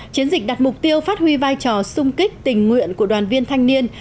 chiến dịch đặt mục tiêu phát huy vai trò sung kích tình nguyện của đoàn viên thanh niên